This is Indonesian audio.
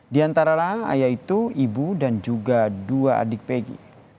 diantara lah ayah itu ibu dan juga dua adik pegi